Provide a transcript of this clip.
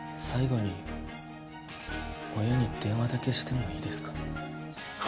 最後に親に電話だけしてもいいですか？